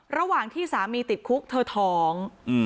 ระหว่างที่สามีติดคุกเธอท้อง